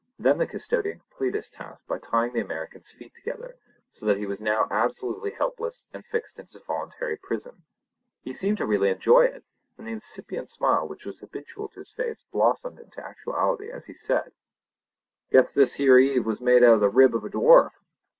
Then the custodian completed his task by tying the American's feet together so that he was now absolutely helpless and fixed in his voluntary prison. He seemed to really enjoy it, and the incipient smile which was habitual to his face blossomed into actuality as he said: "Guess this here Eve was made out of the rib of a dwarf!